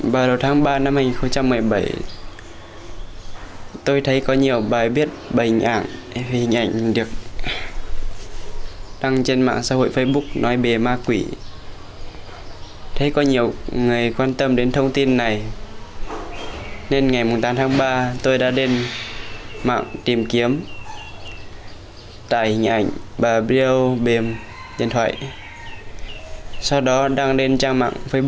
vào đầu tháng ba năm hai nghìn một mươi bảy tôi thấy có nhiều bài viết bài hình ảnh được đăng trên mạng xã hội facebook nói về ma quỷ